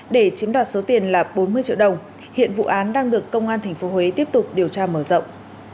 để chiếm đoạt số tiền là bốn mươi triệu đồng hiện vụ án đang được công an tp huế tiếp tục điều tra mở rộng